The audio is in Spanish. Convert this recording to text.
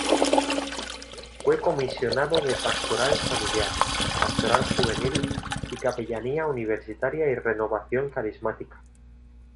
Fue comisionado de Pastoral Familiar, Pastoral Juvenil y Capellanía Universitaria y Renovación Carismática.